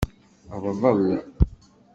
Rḍel.